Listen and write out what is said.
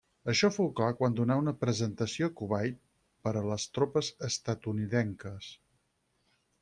Això fou clar quan donà una presentació a Kuwait per a les tropes estatunidenques.